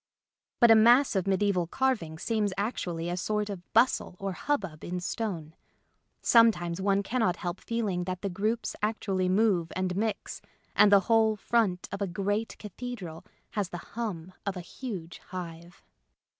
But a mass of mediaeval carving seems actually a sort of bustle or hubbub in stone. Sometimes one cannot help feeling that the groups actually move and mix, and the whole front of a great cathedral has the hum of a huge hive.